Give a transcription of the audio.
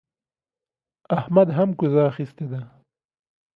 احمد هم کوزه اخيستې ده.